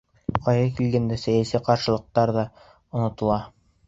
Ҡайғы килгәндә сәйәси ҡаршылыҡтар ҙа онотола.